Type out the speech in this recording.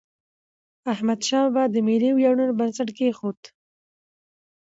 احمدشاه بابا د ملي ویاړونو بنسټ کېښود.